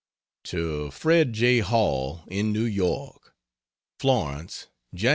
To Fred J. Hall, in New York: FLORENCE, Jan.